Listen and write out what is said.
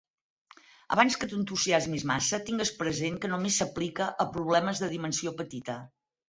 Abans que t'entusiasmis massa, tingues present que només s'aplica a problemes de dimensió petita.